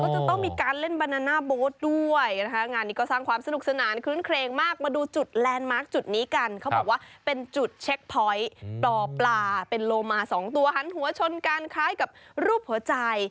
จะต้องมีการเล่นบานาน่าโบ๊ทด้วยนะคะงานนี้ก็สร้างความสนุกสนานคื้นเครงมากมาดูจุดแลนดมาร์คจุดนี้กันเขาบอกว่าเป็นจุดเช็คพอยต์ปลอปลาเป็นโลมาสองตัวหันหัวชนกันคล้ายกับรูปหัวใจ